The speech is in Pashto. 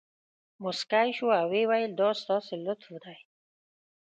مسکی شو او ویې ویل دا ستاسې لطف دی.